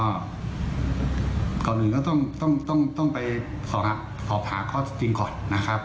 ก่อนอื่นก็ต้องไปขอหาข้อจริงก่อนนะครับ